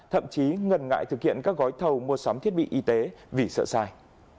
thậm chí ngần ngại thực hiện các gói thầu mua sắm thiết bị y tế vì sợ sai